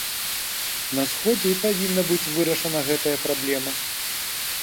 На сходзе і павінна быць вырашана гэтая праблема.